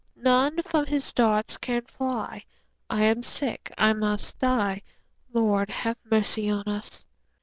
None from his darts can fly; 5 I am sick, I must die— Lord, have mercy on us!